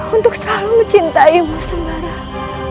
untuk selalu mencintaimu sembarang